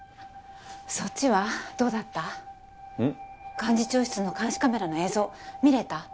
幹事長室の監視カメラの映像見れた？